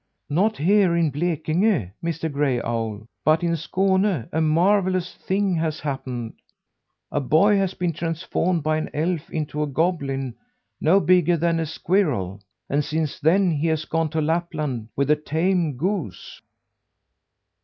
"Not here in Blekinge, Mr. Gray Owl; but in Skåne a marvellous thing has happened! A boy has been transformed by an elf into a goblin no bigger than a squirrel; and since then he has gone to Lapland with a tame goose."